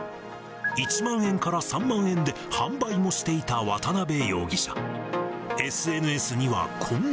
１万円から３万円で販売もしていた渡辺容疑者。